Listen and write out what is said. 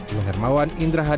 buan hermawan indra handi